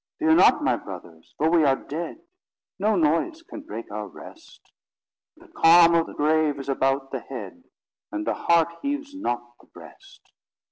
Fear not, my brothers, for we are dead; No noise can break our rest; The calm of the grave is about the head, And the heart heaves not the breast.